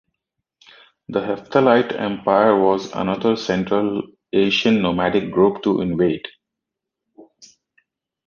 The Hephthalite Empire was another Central Asian nomadic group to invade.